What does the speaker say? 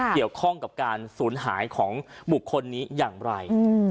เกี่ยวข้องกับการสูญหายของบุคคลนี้อย่างไร